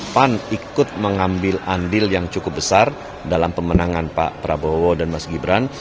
pan ikut mengambil andil yang cukup besar dalam pemenangan pak prabowo dan mas gibran